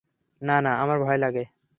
না, না, আমায় ভয় লাগে।